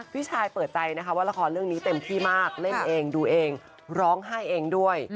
พี่ชายเปิดใจนะคะว่าละครเรื่องนี้เต็มที่มากเล่นเองดูเองร้องไห้เองด้วย